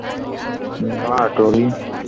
না, ডোরি!